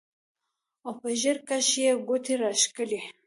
او پۀ ږيره کښې يې ګوتې راښکلې